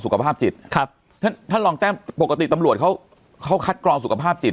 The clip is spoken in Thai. สุขภาพจิตครับถ้าถ้าลองแจ้งปกติตำรวจเขาเขาคัดกรองสุขภาพจิต